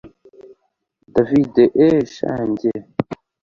david eheee sha njye